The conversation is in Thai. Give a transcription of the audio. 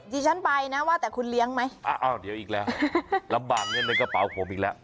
ดิฉันไปนะว่าแต่คุณเลี้ยงไหมอ้าวอ้าวเดี๋ยวอีกแล้วลำบากเงินในกระเป๋าผมอีกแล้ว